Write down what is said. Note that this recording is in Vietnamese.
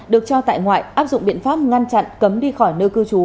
được cho tại ngoại áp dụng biện pháp ngăn chặn cấm đi khỏi nơi cư trú